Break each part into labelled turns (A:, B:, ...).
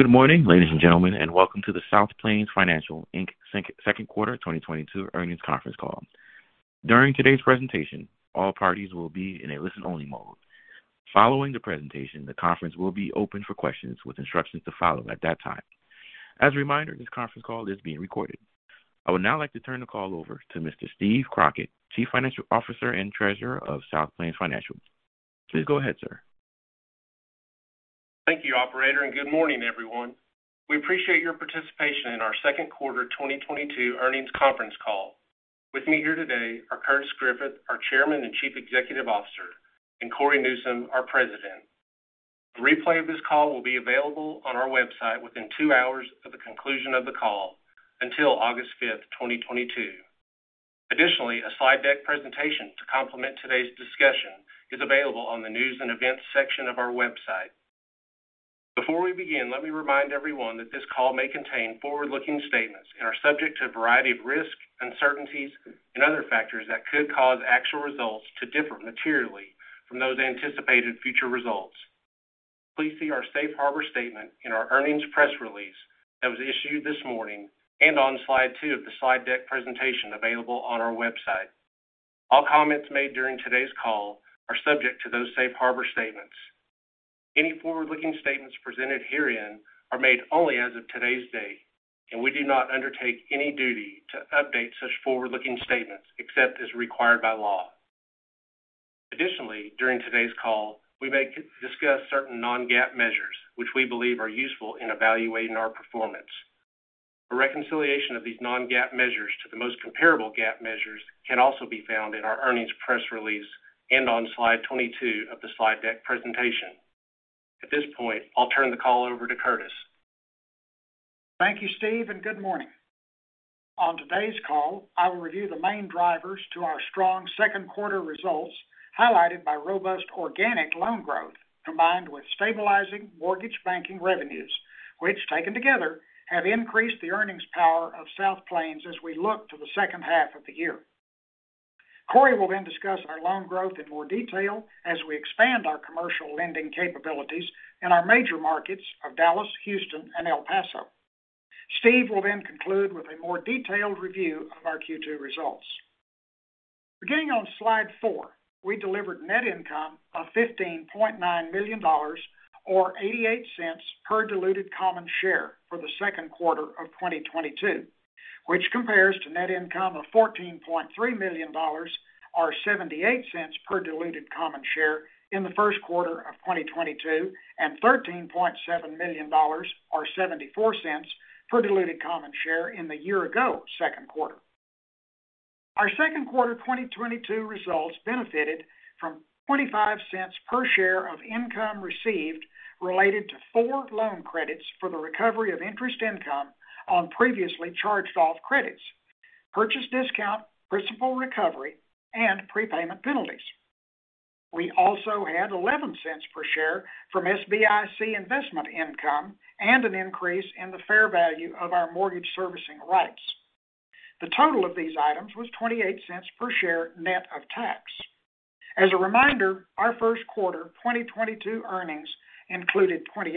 A: Good morning, ladies and gentlemen, and welcome to the South Plains Financial, Inc. Q2 2022 earnings conference call. During today's presentation, all parties will be in a listen-only mode. Following the presentation, the conference will be open for questions with instructions to follow at that time. As a reminder, this conference call is being recorded. I would now like to turn the call over to Mr. Steve Crockett, Chief Financial Officer and Treasurer of South Plains Financial. Please go ahead, sir.
B: Thank you, operator, and good morning, everyone. We appreciate your participation in our Q2 2022 earnings conference call. With me here today are Curtis Griffith, our Chairman and Chief Executive Officer, and Cory Newsom, our President. A replay of this call will be available on our website within two hours of the conclusion of the call until August fifth, 2022. Additionally, a slide deck presentation to complement today's discussion is available on the News and Events section of our website. Before we begin, let me remind everyone that this call may contain forward-looking statements and are subject to a variety of risks, uncertainties, and other factors that could cause actual results to differ materially from those anticipated future results. Please see our safe harbor statement in our earnings press release that was issued this morning and on slide two of the slide deck presentation available on our website. All comments made during today's call are subject to those safe harbor statements. Any forward-looking statements presented herein are made only as of today's date, and we do not undertake any duty to update such forward-looking statements except as required by law. Additionally, during today's call, we may discuss certain non-GAAP measures which we believe are useful in evaluating our performance. A reconciliation of these non-GAAP measures to the most comparable GAAP measures can also be found in our earnings press release and on slide 22 of the slide deck presentation. At this point, I'll turn the call over to Curtis.
C: Thank you, Steve, and good morning. On today's call, I will review the main drivers to our strong Q2 results, highlighted by robust organic loan growth combined with stabilizing mortgage banking revenues, which, taken together, have increased the earnings power of South Plains as we look to the H2 of the year. Cory will then discuss our loan growth in more detail as we expand our commercial lending capabilities in our major markets of Dallas, Houston, and El Paso. Steve will then conclude with a more detailed review of our Q2 results. Beginning on slide four, we delivered net income of $15.9 million or $0.88 per diluted common share for the Q2 of 2022, which compares to net income of $14.3 million or $0.78 per diluted common share in the Q1 of 2022 and $13.7 million or $0.74 per diluted common share in the year-ago Q2. Our Q2 2022 results benefited from $0.28 per share of income received related to four loan credits for the recovery of interest income on previously charged-off credits, purchase discount, principal recovery, and prepayment penalties. We also had $0.11 per share from SBIC investment income and an increase in the fair value of our mortgage servicing rights. The total of these items was $0.28 per share net of tax. As a reminder, our Q1 2022 earnings included $0.28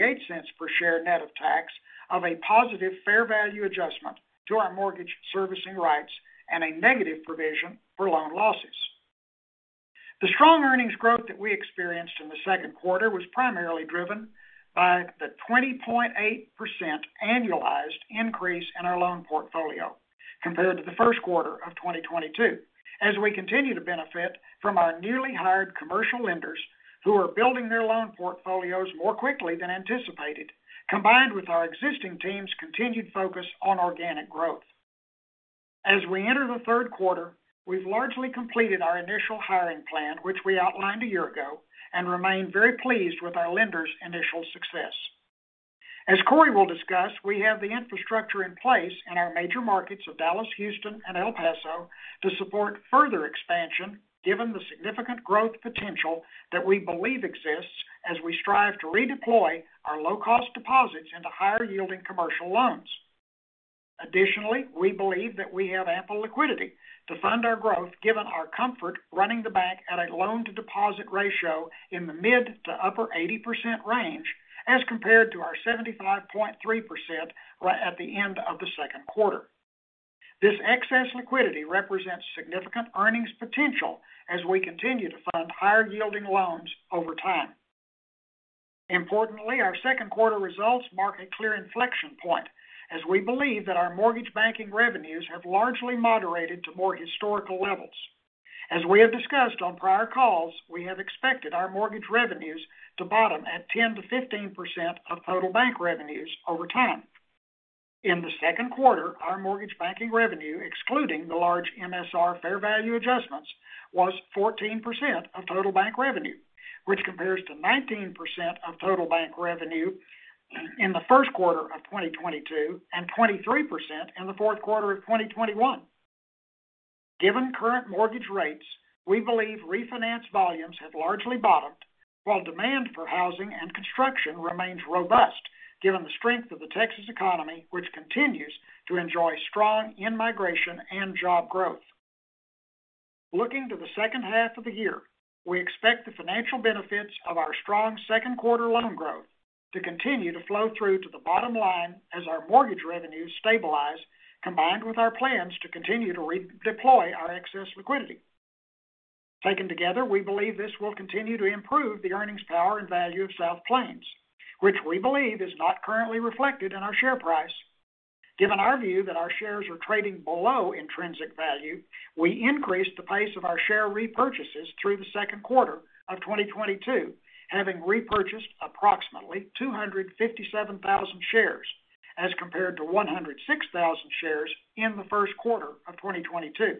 C: per share net of tax of a positive fair value adjustment to our mortgage servicing rights and a negative provision for loan losses. The strong earnings growth that we experienced in the Q2 was primarily driven by the 20.8% annualized increase in our loan portfolio compared to the Q1 of 2022 as we continue to benefit from our newly hired commercial lenders who are building their loan portfolios more quickly than anticipated, combined with our existing team's continued focus on organic growth. As we enter the Q3, we've largely completed our initial hiring plan, which we outlined a year ago and remain very pleased with our lenders' initial success. As Cory will discuss, we have the infrastructure in place in our major markets of Dallas, Houston, and El Paso to support further expansion given the significant growth potential that we believe exists as we strive to redeploy our low-cost deposits into higher-yielding commercial loans. Additionally, we believe that we have ample liquidity to fund our growth given our comfort running the bank at a loan-to-deposit ratio in the mid- to upper-80% range as compared to our 75.3% at the end of the Q2. This excess liquidity represents significant earnings potential as we continue to fund higher-yielding loans over time. Importantly, our Q2 results mark a clear inflection point as we believe that our mortgage banking revenues have largely moderated to more historical levels. As we have discussed on prior calls, we have expected our mortgage revenues to bottom at 10%-15% of total bank revenues over time. In the Q2, our mortgage banking revenue, excluding the large MSR fair value adjustments, was 14% of total bank revenue, which compares to 19% of total bank revenue in the Q1 of 2022 and 23% in the Q4 of 2021. Given current mortgage rates, we believe refinance volumes have largely bottomed, while demand for housing and construction remains robust given the strength of the Texas economy, which continues to enjoy strong in-migration and job growth. Looking to the H2 of the year, we expect the financial benefits of our strong Q2 loan growth to continue to flow through to the bottom line as our mortgage revenues stabilize, combined with our plans to continue to redeploy our excess liquidity. Taken together, we believe this will continue to improve the earnings power and value of South Plains, which we believe is not currently reflected in our share price. Given our view that our shares are trading below intrinsic value, we increased the pace of our share repurchases through the Q2 of 2022, having repurchased approximately 257,000 shares as compared to 106,000 shares in the Q1 of 2022.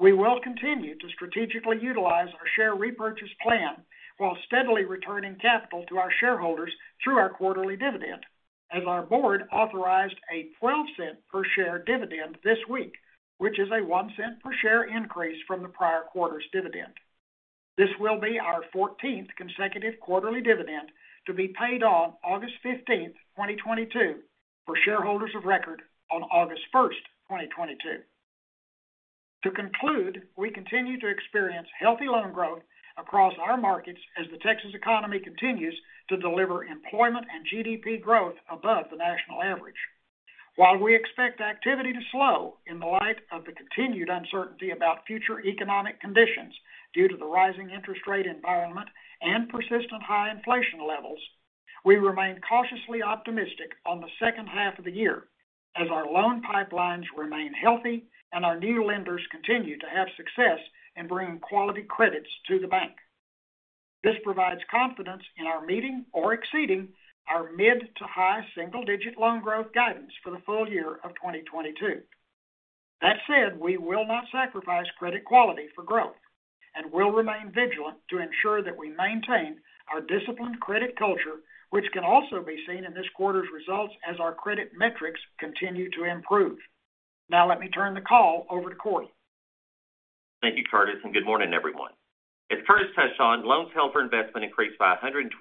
C: We will continue to strategically utilize our share repurchase plan while steadily returning capital to our shareholders through our quarterly dividend, as our board authorized a $0.12 per share dividend this week, which is a $0.01 per share increase from the prior quarter's dividend. This will be our 14th consecutive quarterly dividend to be paid on August 15th, 2022, for shareholders of record on August 1st, 2022. To conclude, we continue to experience healthy loan growth across our markets as the Texas economy continues to deliver employment and GDP growth above the national average. While we expect activity to slow in light of the continued uncertainty about future economic conditions due to the rising interest rate environment and persistent high inflation levels, we remain cautiously optimistic on the H2 of the year as our loan pipelines remain healthy and our new lenders continue to have success in bringing quality credits to the bank. This provides confidence in our meeting or exceeding our mid- to high single-digit loan growth guidance for the full year of 2022. That said, we will not sacrifice credit quality for growth and will remain vigilant to ensure that we maintain our disciplined credit culture, which can also be seen in this quarter's results as our credit metrics continue to improve. Now let me turn the call over to Cory.
D: Thank you, Curtis, and good morning, everyone. As Curtis touched on, loans held for investment increased by $126.9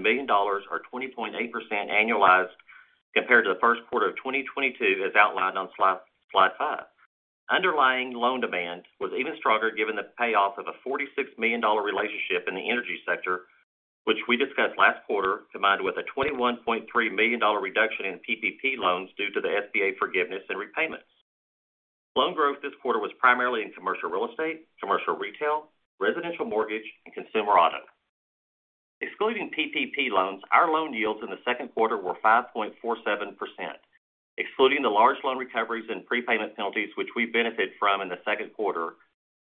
D: million or 20.8% annualized compared to the Q1 of 2022 as outlined on slide five. Underlying loan demand was even stronger given the payoff of a $46 million relationship in the energy sector, which we discussed last quarter, combined with a $21.3 million reduction in PPP loans due to the SBA forgiveness and repayments. Loan growth this quarter was primarily in commercial real estate, commercial retail, residential mortgage and consumer auto. Excluding PPP loans, our loan yields in the Q2 were 5.47%. Excluding the large loan recoveries and prepayment penalties which we benefit from in the Q2,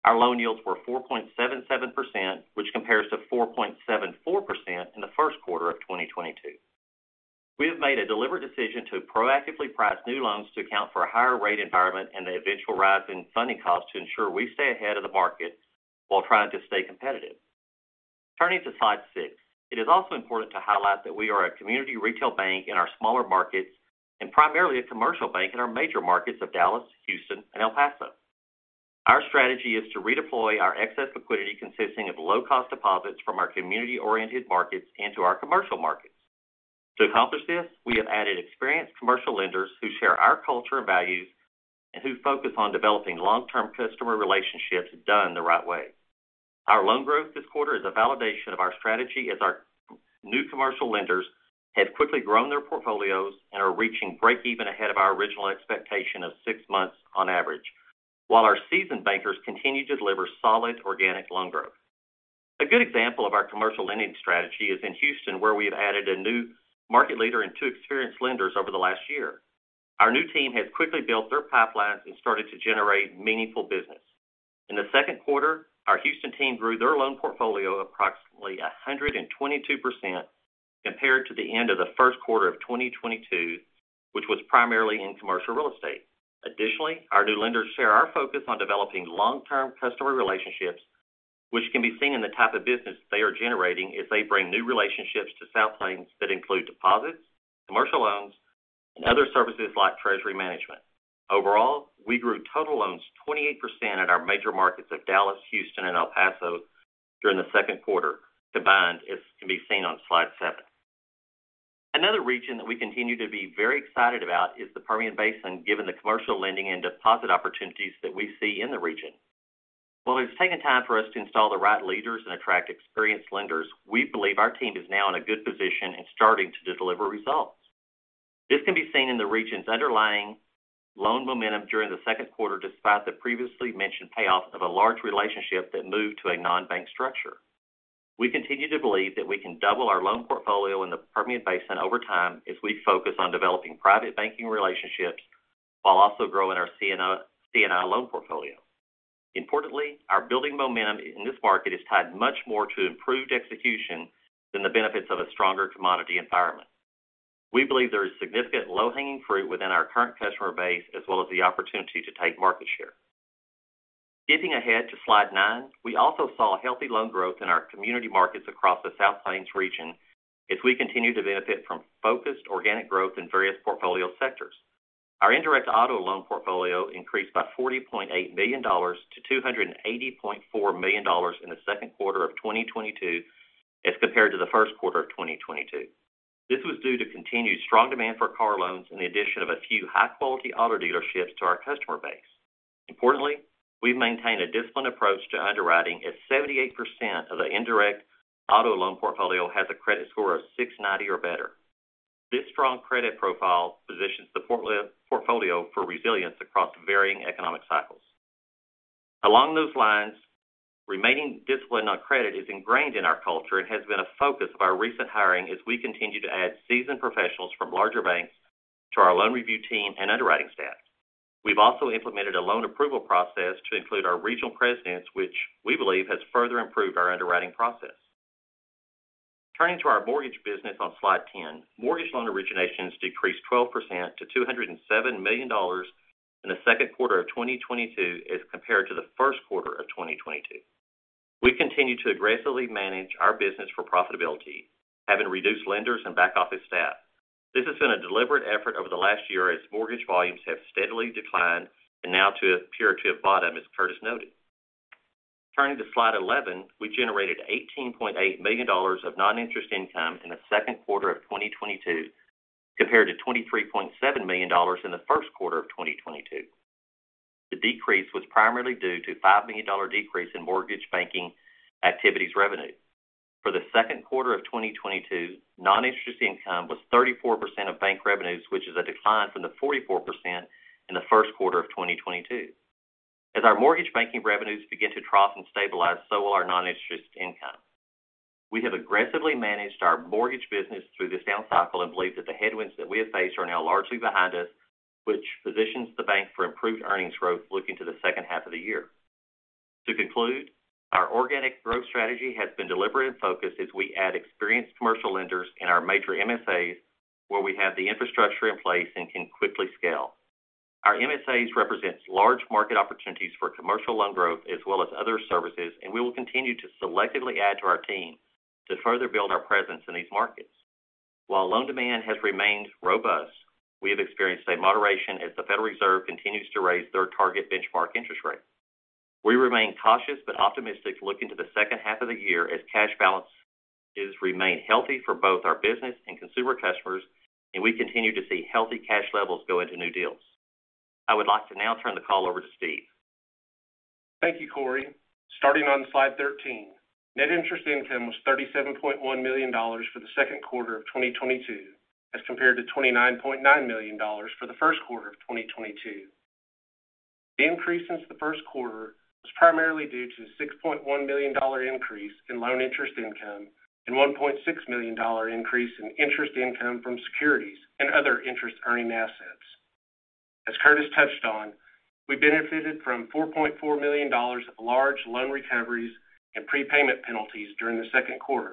D: our loan yields were 4.77%, which compares to 4.74% in the Q1 of 2022. We have made a deliberate decision to proactively price new loans to account for a higher rate environment and the eventual rise in funding costs to ensure we stay ahead of the market while trying to stay competitive. Turning to slide six, it is also important to highlight that we are a community retail bank in our smaller markets and primarily a commercial bank in our major markets of Dallas, Houston and El Paso. Our strategy is to redeploy our excess liquidity consisting of low-cost deposits from our community-oriented markets into our commercial markets. To accomplish this, we have added experienced commercial lenders who share our culture and values and who focus on developing long-term customer relationships done the right way. Our loan growth this quarter is a validation of our strategy as our new commercial lenders have quickly grown their portfolios and are reaching breakeven ahead of our original expectation of six months on average, while our seasoned bankers continue to deliver solid organic loan growth. A good example of our commercial lending strategy is in Houston, where we have added a new market leader and two experienced lenders over the last year. Our new team has quickly built their pipelines and started to generate meaningful business. In the Q2, our Houston team grew their loan portfolio approximately 122% compared to the end of the Q1 of 2022, which was primarily in commercial real estate. Additionally, our new lenders share our focus on developing long-term customer relationships, which can be seen in the type of business they are generating as they bring new relationships to South Plains that include deposits, commercial loans, and other services like treasury management. Overall, we grew total loans 28% at our major markets of Dallas, Houston and El Paso during the Q2, combined as can be seen on slide seven. Another region that we continue to be very excited about is the Permian Basin, given the commercial lending and deposit opportunities that we see in the region. While it's taken time for us to install the right leaders and attract experienced lenders, we believe our team is now in a good position and starting to deliver results. This can be seen in the region's underlying loan momentum during the Q2, despite the previously mentioned payoff of a large relationship that moved to a non-bank structure. We continue to believe that we can double our loan portfolio in the Permian Basin over time as we focus on developing private banking relationships while also growing our C&L loan portfolio. Importantly, our building momentum in this market is tied much more to improved execution than the benefits of a stronger commodity environment. We believe there is significant low-hanging fruit within our current customer base, as well as the opportunity to take market share. Skipping ahead to slide nine, we also saw healthy loan growth in our community markets across the South Plains region as we continue to benefit from focused organic growth in various portfolio sectors. Our indirect auto loan portfolio increased by $40.8 million to $280.4 million in the Q2 of 2022 as compared to the Q1 of 2022. This was due to continued strong demand for car loans and the addition of a few high-quality auto dealerships to our customer base. Importantly, we've maintained a disciplined approach to underwriting as 78% of the indirect auto loan portfolio has a credit score of 690 or better. This strong credit profile positions the portfolio for resilience across varying economic cycles. Along those lines, remaining disciplined on credit is ingrained in our culture and has been a focus of our recent hiring as we continue to add seasoned professionals from larger banks to our loan review team and underwriting staff. We've also implemented a loan approval process to include our regional presidents, which we believe has further improved our underwriting process. Turning to our mortgage business on slide 10. Mortgage loan originations decreased 12% to $207 million in the Q2 of 2022 as compared to the Q1 of 2022. We continue to aggressively manage our business for profitability, having reduced lenders and back-office staff. This has been a deliberate effort over the last year as mortgage volumes have steadily declined and now appear to have bottomed, as Curtis noted. Turning to slide 11, we generated $18.8 million of non-interest income in the Q2 of 2022 compared to $23.7 million in the Q1 of 2022. The decrease was primarily due to a $5 million decrease in mortgage banking activities revenue. For the Q2 of 2022, non-interest income was 34% of bank revenues, which is a decline from the 44% in the Q1 of 2022. As our mortgage banking revenues begin to trough and stabilize, so will our non-interest income. We have aggressively managed our mortgage business through this down cycle and believe that the headwinds that we have faced are now largely behind us, which positions the bank for improved earnings growth looking to the H2 of the year. To conclude, our organic growth strategy has been deliberate and focused as we add experienced commercial lenders in our major MSAs where we have the infrastructure in place and can quickly scale. Our MSAs represent large market opportunities for commercial loan growth as well as other services, and we will continue to selectively add to our team to further build our presence in these markets. While loan demand has remained robust, we have experienced a moderation as the Federal Reserve continues to raise their target benchmark interest rate. We remain cautious but optimistic looking to the H2 of the year as cash balances remain healthy for both our business and consumer customers, and we continue to see healthy cash levels go into new deals. I would like to now turn the call over to Steve.
B: Thank you, Cory. Starting on slide 13, net interest income was $37.1 million for the Q2 of 2022 as compared to $29.9 million for the Q1 of 2022. The increase since the Q1 was primarily due to $6.1 million increase in loan interest income and $1.6 million increase in interest income from securities and other interest-earning assets. As Curtis touched on, we benefited from $4.4 million of large loan recoveries and prepayment penalties during the Q2.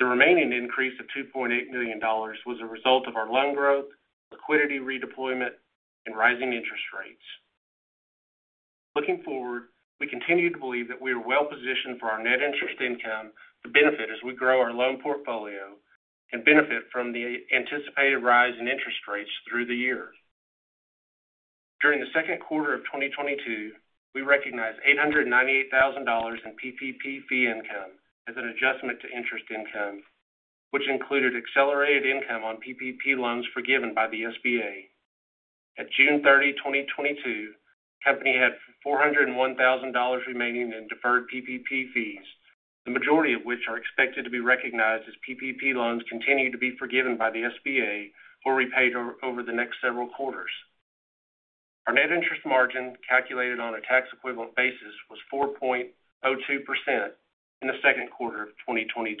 B: The remaining increase of $2.8 million was a result of our loan growth, liquidity redeployment, and rising interest rates. Looking forward, we continue to believe that we are well-positioned for our net interest income to benefit as we grow our loan portfolio and benefit from the anticipated rise in interest rates through the year. During the Q2 of 2022, we recognized $898 thousand in PPP fee income as an adjustment to interest income, which included accelerated income on PPP loans forgiven by the SBA. At June 30, 2022, the company had $401 thousand remaining in deferred PPP fees, the majority of which are expected to be recognized as PPP loans continue to be forgiven by the SBA or repaid over the next several quarters. Our net interest margin, calculated on a tax equivalent basis, was 4.02% in the Q2 of 2022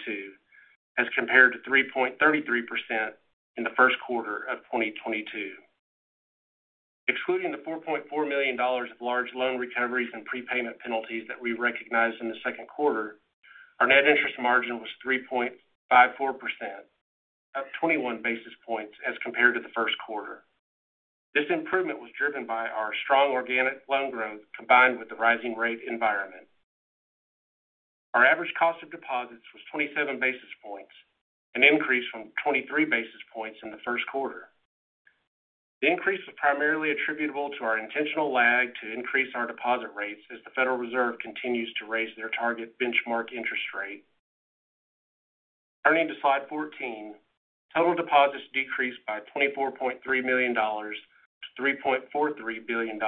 B: as compared to 3.33% in the Q1 of 2022. Excluding the $4.4 million of large loan recoveries and prepayment penalties that we recognized in the Q2, our net interest margin was 3.54%, up 21 basis points as compared to the Q1. This improvement was driven by our strong organic loan growth combined with the rising rate environment. Our average cost of deposits was 27 basis points, an increase from 23 basis points in the Q1. The increase was primarily attributable to our intentional lag to increase our deposit rates as the Federal Reserve continues to raise their target benchmark interest rate. Turning to slide 14, total deposits decreased by $24.3 million to $3.43 billion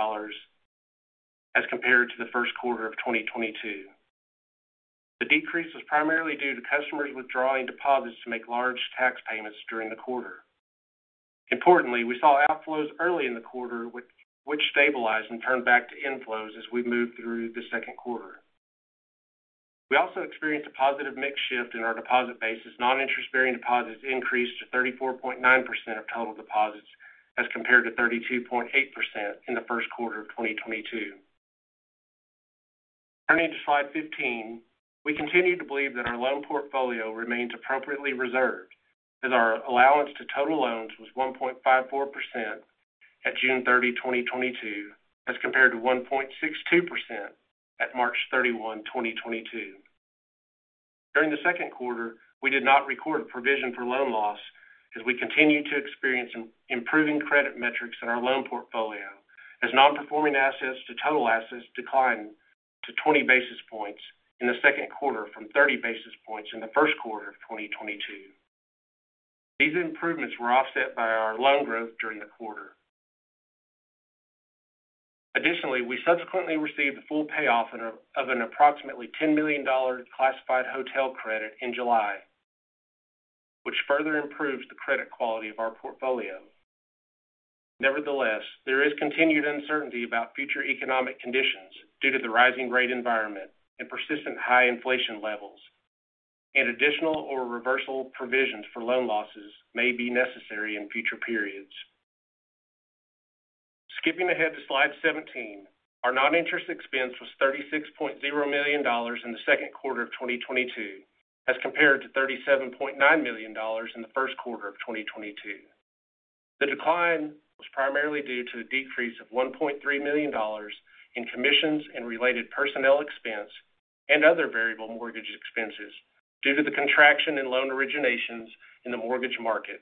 B: as compared to the Q1 of 2022. The decrease was primarily due to customers withdrawing deposits to make large tax payments during the quarter. Importantly, we saw outflows early in the quarter which stabilized and turned back to inflows as we moved through the Q2. We also experienced a positive mix shift in our deposit base as non-interest bearing deposits increased to 34.9% of total deposits as compared to 32.8% in the Q1 of 2022. Turning to slide 15, we continue to believe that our loan portfolio remains appropriately reserved as our allowance to total loans was 1.54% at June 30, 2022, as compared to 1.62% at March 31, 2022. During the Q2, we did not record a provision for loan losses. As we continue to experience improving credit metrics in our loan portfolio, non-performing assets to total assets declined to 20 basis points in the Q2 from 30 basis points in the Q1 of 2022. These improvements were offset by our loan growth during the quarter. Additionally, we subsequently received the full payoff of an approximately $10 million classified hotel credit in July, which further improves the credit quality of our portfolio. Nevertheless, there is continued uncertainty about future economic conditions due to the rising rate environment and persistent high inflation levels, and additional or reversal provisions for loan losses may be necessary in future periods. Skipping ahead to slide 17. Our non-interest expense was $36.0 million in the Q2 of 2022, as compared to $37.9 million in the Q1 of 2022. The decline was primarily due to the decrease of $1.3 million in commissions and related personnel expense and other variable mortgage expenses due to the contraction in loan originations in the mortgage market,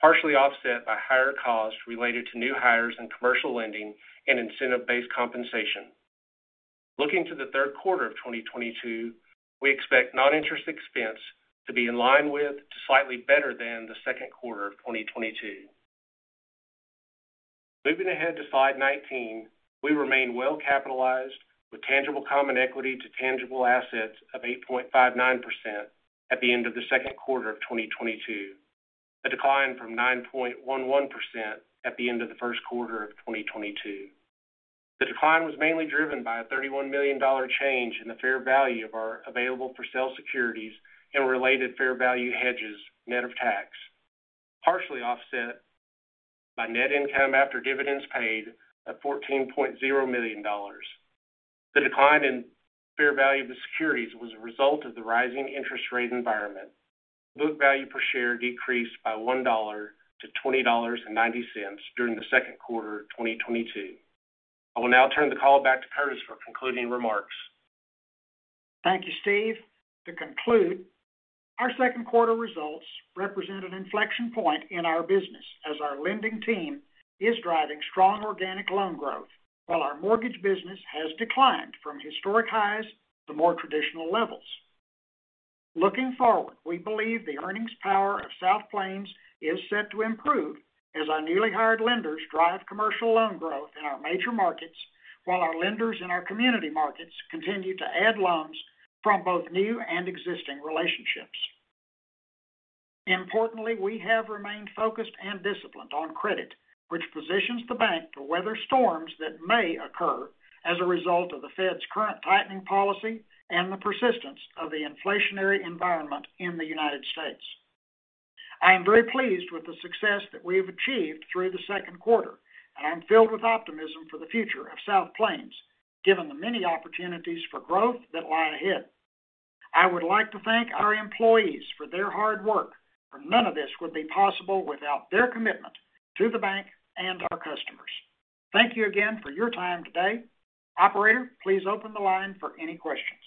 B: partially offset by higher costs related to new hires in commercial lending and incentive-based compensation. Looking to the Q3 of 2022, we expect non-interest expense to be in line with, to slightly better than the Q2 of 2022. Moving ahead to slide 19. We remain well capitalized with tangible common equity to tangible assets of 8.59% at the end of the Q2 of 2022, a decline from 9.11% at the end of the Q1 of 2022. The decline was mainly driven by a $31 million change in the fair value of our available for sale securities and related fair value hedges, net of tax, partially offset by net income after dividends paid of $14.0 million. The decline in fair value of the securities was a result of the rising interest rate environment. Book value per share decreased by $1-$20.90 during the Q2 of 2022. I will now turn the call back to Curtis for concluding remarks.
C: Thank you, Steve. To conclude, our Q2 results represent an inflection point in our business as our lending team is driving strong organic loan growth while our mortgage business has declined from historic highs to more traditional levels. Looking forward, we believe the earnings power of South Plains is set to improve as our newly hired lenders drive commercial loan growth in our major markets while our lenders in our community markets continue to add loans from both new and existing relationships. Importantly, we have remained focused and disciplined on credit, which positions the bank to weather storms that may occur as a result of the Fed's current tightening policy and the persistence of the inflationary environment in the United States. I am very pleased with the success that we have achieved through the Q2, and I'm filled with optimism for the future of South Plains, given the many opportunities for growth that lie ahead. I would like to thank our employees for their hard work, for none of this would be possible without their commitment to the bank and our customers. Thank you again for your time today. Operator, please open the line for any questions.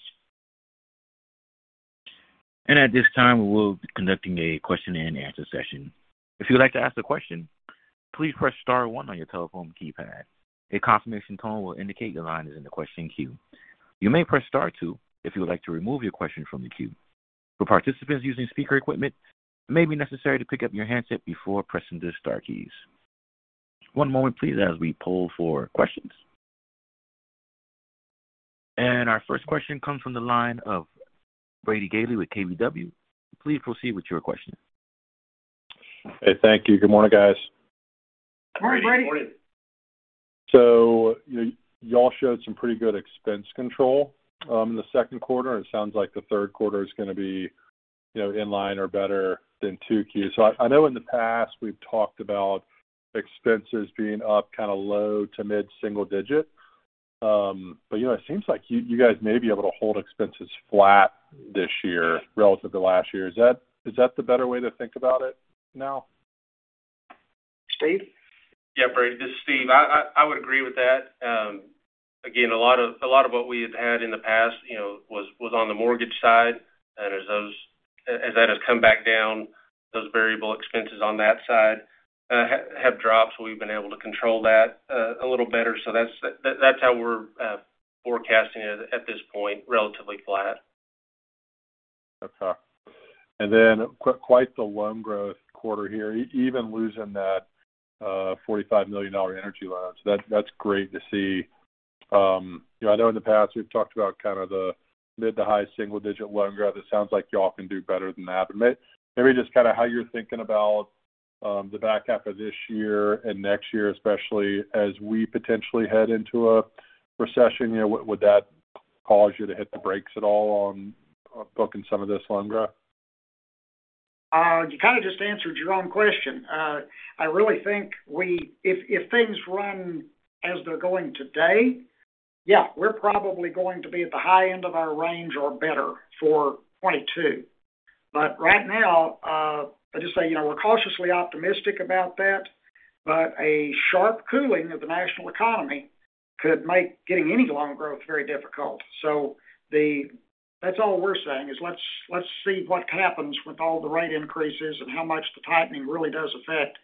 A: At this time, we will be conducting a question and answer session. If you would like to ask a question, please press star one on your telephone keypad. A confirmation tone will indicate your line is in the question queue. You may press star two if you would like to remove your question from the queue. For participants using speaker equipment, it may be necessary to pick up your handset before pressing the star keys. One moment please as we poll for questions. Our first question comes from the line of Brady Gailey with KBW. Please proceed with your question.
E: Hey, thank you. Good morning, guys.
C: Morning, Brady.
B: Morning.
E: Y'all showed some pretty good expense control in the Q2. It sounds like the Q3 is going to be in line or better than 2Q. I know in the past we've talked about expenses being up kind of low to mid-single digit. It seems like you guys may be able to hold expenses flat this year relative to last year. Is that the better way to think about it now?
C: Steve?
B: Yeah. Brady, this is Steve. I would agree with that. Again, a lot of what we had had in the past, you know, was on the mortgage side. As that has come back down, those variable expenses on that side have dropped. We've been able to control that a little better. That's how we're forecasting it at this point, relatively flat.
E: Okay. Then quite the loan growth quarter here, even losing that $45 million energy loan. That, that's great to see. You know, I know in the past we've talked about kind of the mid- to high-single-digit loan growth. It sounds like y'all can do better than that. Maybe just kind of how you're thinking about the back half of this year and next year, especially as we potentially head into a recession. You know, would that cause you to hit the brakes at all on booking some of this loan growth?
C: You kind of just answered your own question. I really think if things run as they're going today, yeah, we're probably going to be at the high end of our range or better for 2022. Right now, I just say, you know, we're cautiously optimistic about that. A sharp cooling of the national economy could make getting any loan growth very difficult. That's all we're saying is let's see what happens with all the rate increases and how much the tightening really does affect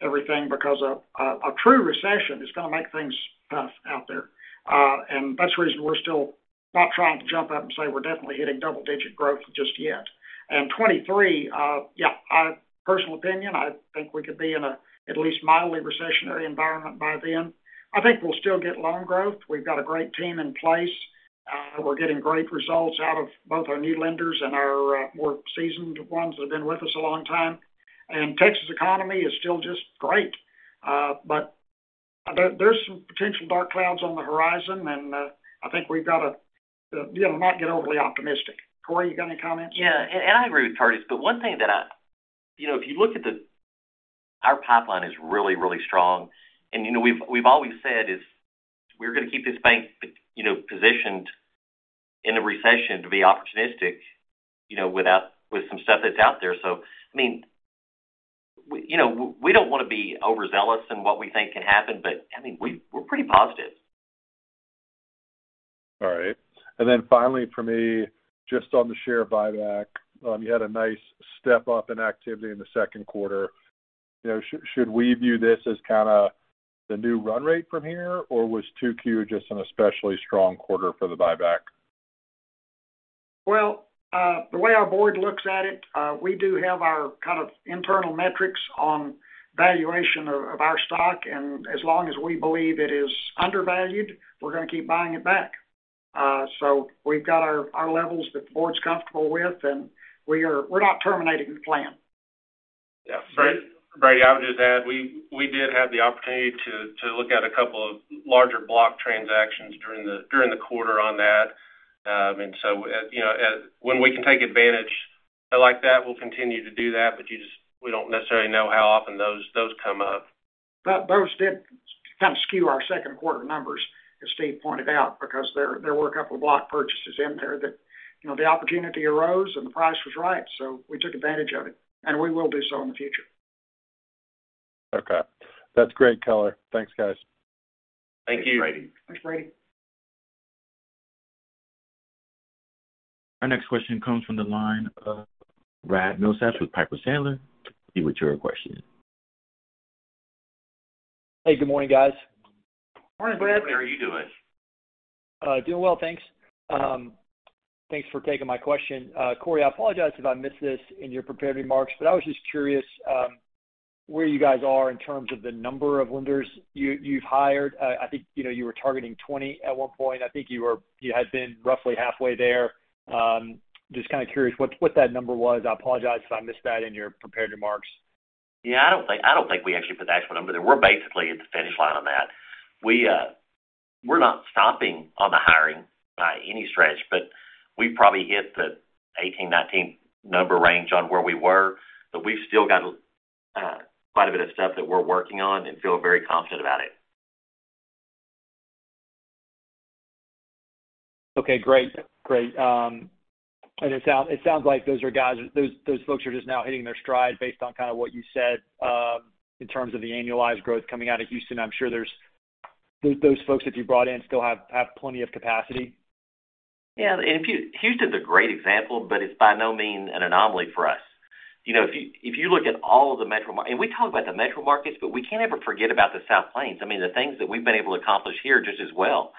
C: everything because a true recession is gonna make things tough out there. That's the reason we're still not trying to jump up and say we're definitely hitting double-digit growth just yet. 2023, yeah, personal opinion, I think we could be in at least mildly recessionary environment by then. I think we'll still get loan growth. We've got a great team in place. We're getting great results out of both our new lenders and our more seasoned ones that have been with us a long time. Texas economy is still just great. But there's some potential dark clouds on the horizon, and I think we've got to, you know, not get overly optimistic. Cory, you got any comments?
D: Yeah. I agree with Curtis. One thing. You know, if you look at our pipeline is really, really strong. You know, we've always said is we're gonna keep this bank, you know, positioned in a recession to be opportunistic, you know, with some stuff that's out there. I mean, we, you know, we don't wanna be overzealous in what we think can happen, but, I mean, we're pretty positive.
E: All right. Then finally for me, just on the share buyback, you had a nice step up in activity in the Q2. You know, should we view this as kinda the new run rate from here, or was 2Q just an especially strong quarter for the buyback?
C: Well, the way our board looks at it, we do have our kind of internal metrics on valuation of our stock, and as long as we believe it is undervalued, we're gonna keep buying it back. So we've got our levels that the board's comfortable with, and we're not terminating the plan.
E: Yeah.
D: Brady, I would just add, we did have the opportunity to look at a couple of larger block transactions during the quarter on that. You know, as when we can take advantage like that, we'll continue to do that, but we don't necessarily know how often those come up.
C: Those did kind of skew our Q2 numbers, as Steve pointed out, because there were a couple of block purchases in there that, you know, the opportunity arose and the price was right, so we took advantage of it, and we will do so in the future.
E: Okay. That's great color. Thanks, guys.
D: Thank you.
B: Thanks, Brady.
C: Thanks, Brady.
A: Our next question comes from the line of Brett Rabatin with Piper Sandler. You may utter your question.
F: Hey, good morning, guys.
C: Morning, Brett.
B: How are you doing?
F: Doing well, thanks. Thanks for taking my question. Cory, I apologize if I missed this in your prepared remarks, but I was just curious where you guys are in terms of the number of lenders you've hired. I think, you know, you were targeting 20 at one point. I think you had been roughly halfway there. Just kinda curious what that number was. I apologize if I missed that in your prepared remarks.
D: Yeah. I don't think we actually put the actual number there. We're basically at the finish line on that. We're not stopping on the hiring by any stretch, but we've probably hit the 18-19 number range on where we were. We've still got quite a bit of stuff that we're working on and feel very confident about it.
F: Okay, great. Great. It sounds like those folks are just now hitting their stride based on kinda what you said in terms of the annualized growth coming out of Houston. I'm sure those folks that you brought in still have plenty of capacity.
D: Yeah. Houston's a great example, but it's by no means an anomaly for us. You know, if you look at all of the metro markets, and we talk about the metro markets, but we can't ever forget about the South Plains. I mean, the things that we've been able to accomplish here just as well.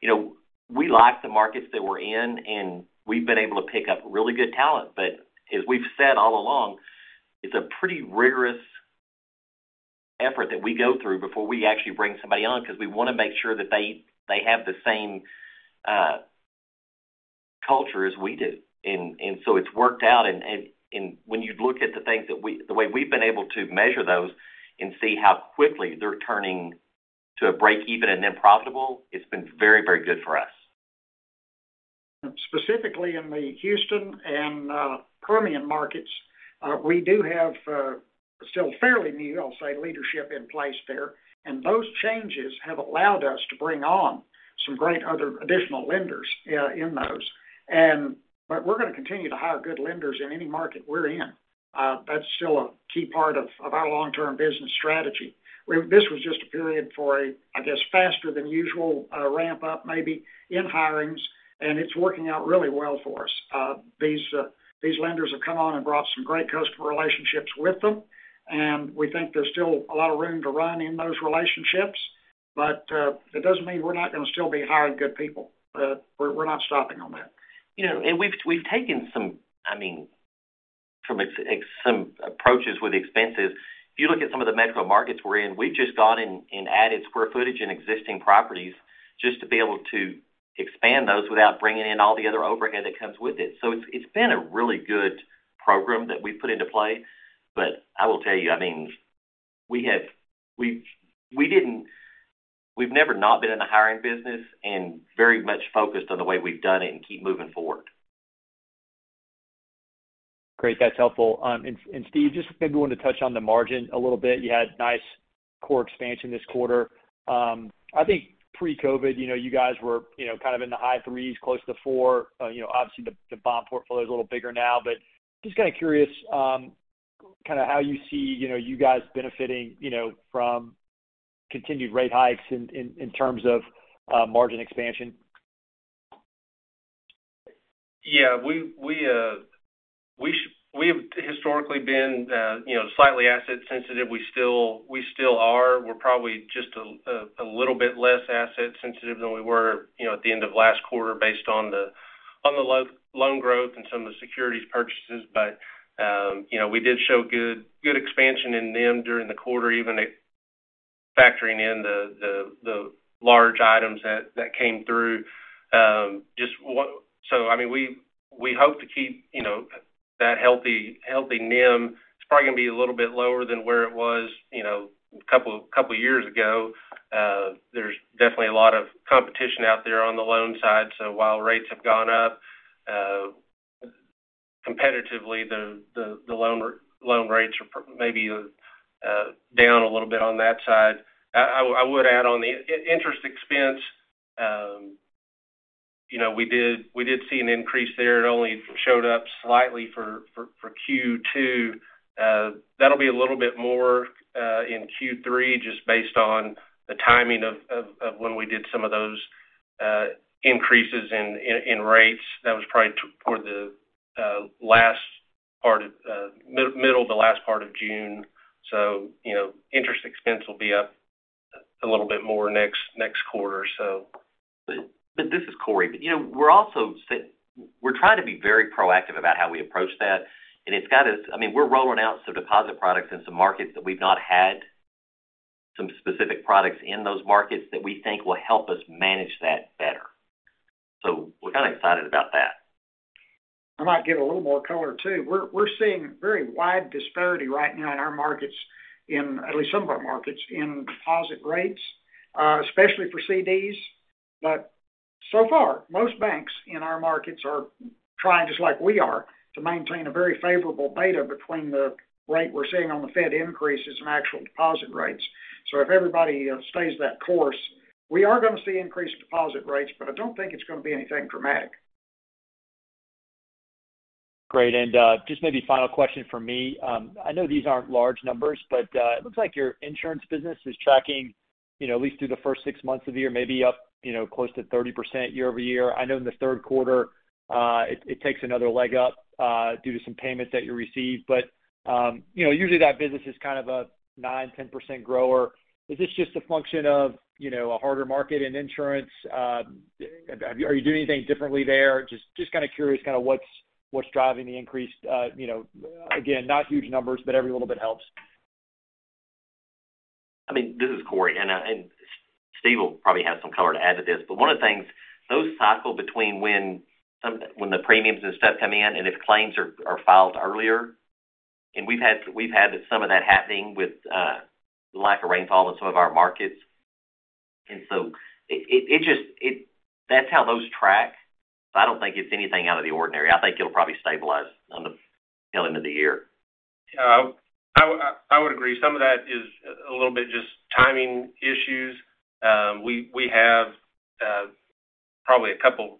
D: You know, we like the markets that we're in, and we've been able to pick up really good talent. As we've said all along, it's a pretty rigorous effort that we go through before we actually bring somebody on because we wanna make sure that they have the same culture as we do. It's worked out. When you look at the things the way we've been able to measure those and see how quickly they're turning to a break-even and then profitable, it's been very, very good for us.
C: Specifically in the Houston and Permian markets, we do have still fairly new, I'll say, leadership in place there, and those changes have allowed us to bring on some great other additional lenders, yeah, in those. We're gonna continue to hire good lenders in any market we're in. That's still a key part of our long-term business strategy. This was just a period for a, I guess, faster than usual ramp-up maybe in hirings, and it's working out really well for us. These lenders have come on and brought some great customer relationships with them, and we think there's still a lot of room to run in those relationships. It doesn't mean we're not gonna still be hiring good people. We're not stopping on that.
D: You know, we've taken some, I mean, some approaches with expenses. If you look at some of the metro markets we're in, we've just gone in and added square footage in existing properties just to be able to expand those without bringing in all the other overhead that comes with it. It's been a really good program that we've put into play. I will tell you, I mean, we've never not been in the hiring business and very much focused on the way we've done it and keep moving forward.
F: Great. That's helpful. Steve, just maybe wanting to touch on the margin a little bit. You had nice core expansion this quarter. I think pre-COVID, you know, you guys were, you know, kind of in the high 3s, close to 4%. You know, obviously the bond portfolio is a little bigger now, but just kind of curious, kind of how you see, you know, you guys benefiting, you know, from continued rate hikes in terms of margin expansion?
B: Yeah, we have historically been, you know, slightly asset sensitive. We still are. We're probably just a little bit less asset sensitive than we were, you know, at the end of last quarter based on the loan growth and some of the securities purchases. You know, we did show good expansion in NIM during the quarter, even if factoring in the large items that came through. I mean, we hope to keep, you know, that healthy NIM. It's probably going to be a little bit lower than where it was, you know, a couple years ago. There's definitely a lot of competition out there on the loan side. While rates have gone up competitively, the loan rates are probably maybe down a little bit on that side. I would add on the interest expense, you know, we did see an increase there. It only showed up slightly for Q2. That'll be a little bit more in Q3 just based on the timing of when we did some of those increases in rates. That was probably toward the middle to last part of June. You know, interest expense will be up a little bit more next quarter, so.
D: This is Cory. You know, we're also trying to be very proactive about how we approach that. I mean, we're rolling out some deposit products in some markets that we've not had some specific products in those markets that we think will help us manage that better. We're kind of excited about that.
C: I might give a little more color, too. We're seeing very wide disparity right now in our markets, in at least some of our markets, in deposit rates, especially for CDs. So far, most banks in our markets are trying, just like we are, to maintain a very favorable beta between the rate we're seeing on the Fed increases and actual deposit rates. If everybody stays that course, we are going to see increased deposit rates, but I don't think it's going to be anything dramatic.
F: Great. Just maybe final question from me. I know these aren't large numbers, but it looks like your insurance business is tracking, you know, at least through the first six months of the year, maybe up, you know, close to 30% year-over-year. I know in the Q3, it takes another leg up due to some payments that you receive. You know, usually that business is kind of a 9%-10% grower. Is this just a function of, you know, a harder market in insurance? Are you doing anything differently there? Just kind of curious what's driving the increase. You know, again, not huge numbers, but every little bit helps.
D: I mean, this is Cory, and Steve will probably have some color to add to this. One of the things, those cycle between when the premiums and stuff come in and if claims are filed earlier. We've had some of that happening with lack of rainfall in some of our markets. It just, that's how those track. I don't think it's anything out of the ordinary. I think it'll probably stabilize on the tail end of the year.
B: Yeah. I would agree. Some of that is a little bit just timing issues. We have probably a couple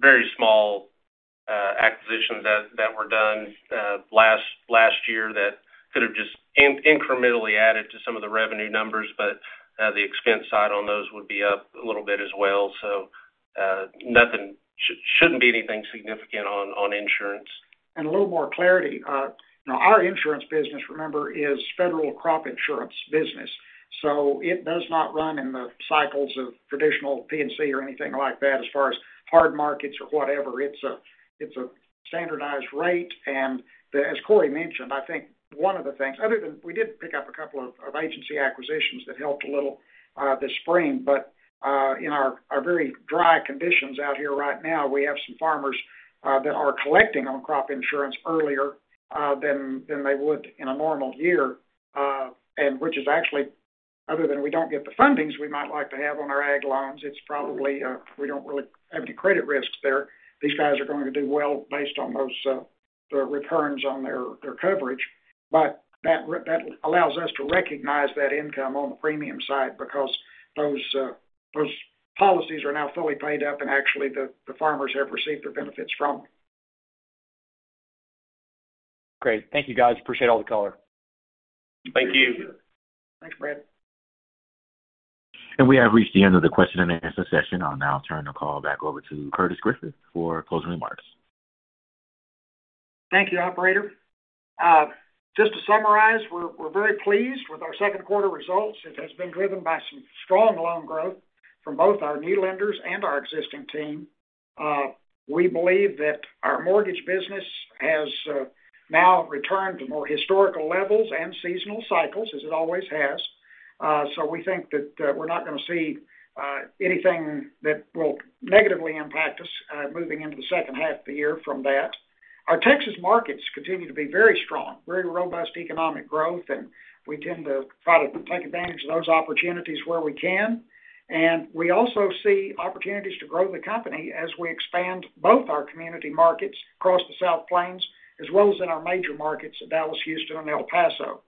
B: very small acquisitions that were done last year that could have just incrementally added to some of the revenue numbers, but the expense side on those would be up a little bit as well. Nothing should be anything significant on insurance.
C: A little more clarity. Our insurance business, remember, is federal crop insurance business. It does not run in the cycles of traditional P&C or anything like that as far as hard markets or whatever. It's a standardized rate. As Cory mentioned, I think one of the things other than we did pick up a couple of agency acquisitions that helped a little this spring. In our very dry conditions out here right now, we have some farmers that are collecting on crop insurance earlier than they would in a normal year. Which is actually, other than we don't get the fundings we might like to have on our ag loans, it's probably we don't really have any credit risks there. These guys are going to do well based on those, the returns on their coverage. That allows us to recognize that income on the premium side because those policies are now fully paid up and actually the farmers have received their benefits from them.
F: Great. Thank you, guys. Appreciate all the color.
B: Thank you.
C: Thanks, Brett.
A: We have reached the end of the question and answer session. I'll now turn the call back over to Curtis Griffith for closing remarks.
C: Thank you, operator. Just to summarize, we're very pleased with our Q2 results. It has been driven by some strong loan growth from both our new lenders and our existing team. We believe that our mortgage business has now returned to more historical levels and seasonal cycles as it always has. We think that we're not going to see anything that will negatively impact us moving into the H2 of the year from that. Our Texas markets continue to be very strong, very robust economic growth, and we tend to try to take advantage of those opportunities where we can. We also see opportunities to grow the company as we expand both our community markets across the South Plains, as well as in our major markets, Dallas, Houston, and El Paso.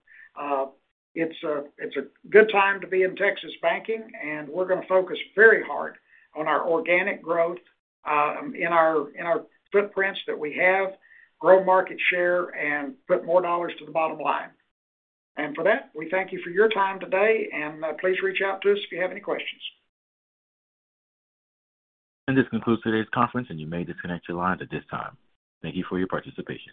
C: It's a good time to be in Texas banking, and we're going to focus very hard on our organic growth in our footprints that we have, grow market share and put more dollars to the bottom line. For that, we thank you for your time today, and please reach out to us if you have any questions.
A: This concludes today's conference, and you may disconnect your lines at this time. Thank you for your participation.